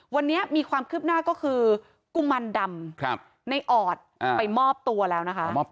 วันนี้มีความคืบหน้าก็คือกุมารดำในออดไปมอบตัวแล้วนะคะ